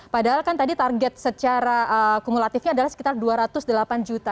padahal kan tadi target secara kumulatifnya adalah sekitar dua ratus delapan juta